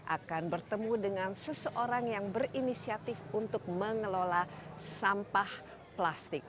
akan bertemu dengan seseorang yang berinisiatif untuk mengelola sampah plastik